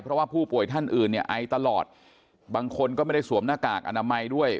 เพราะว่าผู้ป่วยท่านอื่นเนี่ยไอตลอดบางคนก็ไม่ได้สวมหน้ากากอนามัยด้วย